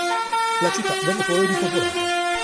La città venne poi ripopolata.